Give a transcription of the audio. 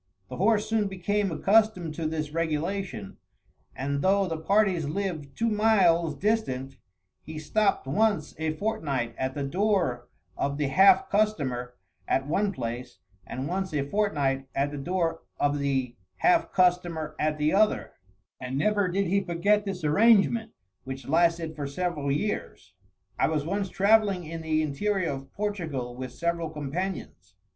The horse soon became accustomed to this regulation, and though the parties lived two miles distant, he stopped once a fortnight at the door of the half customer at one place, and once a fortnight at the door of the half customer at the other; and never did he forget this arrangement, which lasted for several years. I was once travelling in the interior of Portugal with several companions.